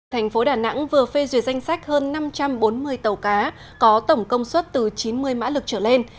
thành phố đà nẵng vừa phê duyệt danh sách hơn năm trăm bốn mươi tàu cá có tổng công suất từ chín mươi mã lực trở lên